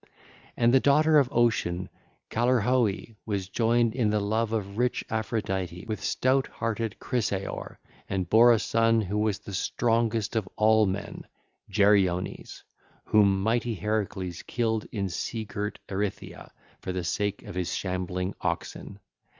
(ll. 979 983) And the daughter of Ocean, Callirrhoe was joined in the love of rich Aphrodite with stout hearted Chrysaor and bare a son who was the strongest of all men, Geryones, whom mighty Heracles killed in sea girt Erythea for the sake of his shambling oxen.